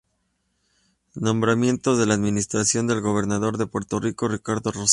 Nombramientos de la administración del Gobernador de Puerto Rico, Ricardo Rosselló.